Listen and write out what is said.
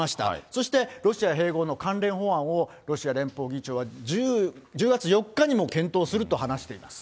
そしてロシア併合の関連法案を、ロシア連邦議長は、１０月４日にも検討すると話しています。